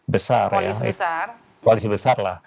besar ya koalisi besar lah